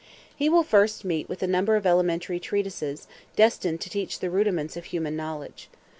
He will first meet with a number of elementary treatises, destined to teach the rudiments of human knowledge.